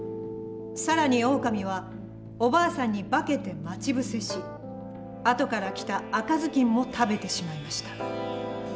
更にオオカミはおばあさんに化けて待ち伏せし後から来た赤ずきんも食べてしまいました。